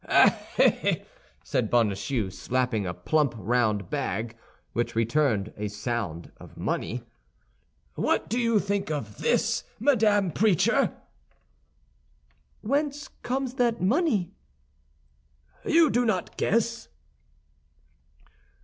"Eh, eh!" said Bonacieux, slapping a plump, round bag, which returned a sound a money; "what do you think of this, Madame Preacher?" "Whence comes that money?" "You do not guess?"